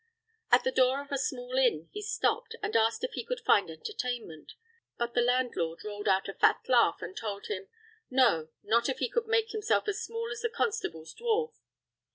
At the door of a small inn, he stopped, and asked if he could find entertainment; but the landlord rolled out a fat laugh, and told him, No, not if he could make himself as small as the constable's dwarf.